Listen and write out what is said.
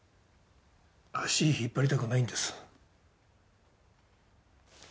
足引っ張りたくないんです。